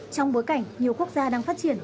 trong bối cảnh nhiều quốc gia đang phát triển